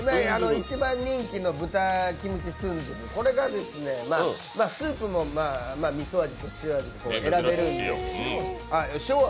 一番人気の豚キムチスンドゥブ、これがスープもみそ味と塩味と選べるんで。